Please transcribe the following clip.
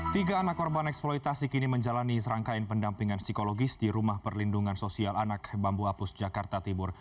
tiga anak korban eksploitasi kini menjalani serangkaian pendampingan psikologis di rumah perlindungan sosial anak bambu apus jakarta tibur